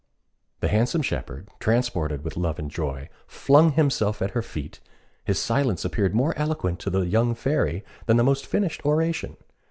The handsome shepherd, transported with love and joy, flung himself at her feet, his silence appeared more eloquent to the young Fairy than the most finished oration.